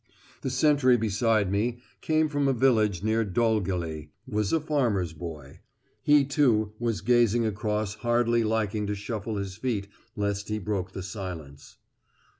The sentry beside me came from a village near Dolgelly: was a farmer's boy. He, too, was gazing across, hardly liking to shuffle his feet lest he broke the silence.